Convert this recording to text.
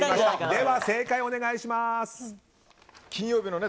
では、正解をお願いします。